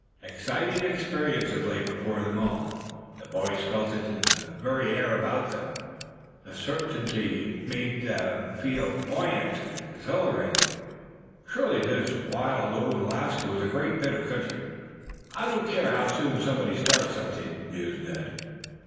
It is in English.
Exciting experiences lay before them all. The boys felt it in the very air about them. The certainty made them feel buoyant and exhilarated. Surely this wild old Alaska was a great bit of country! "I don't care how soon somebody starts something," mused Ned.